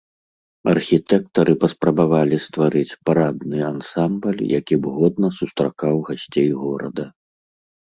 Архітэктары паспрабавалі стварыць парадны ансамбль, які б годна сустракаў гасцей горада.